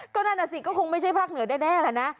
ก็นั่นน่ะสิก็คงไม่ใช่ภาคเหนือแน่แหละนะ